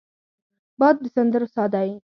باد د سندرو سا دی